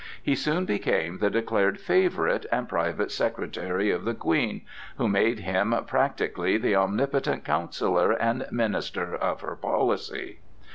He soon became the declared favorite and private secretary of the Queen, who made him practically the omnipotent counsellor and minister of her policy.